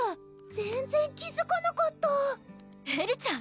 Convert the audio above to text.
全然気づかなかったエルちゃん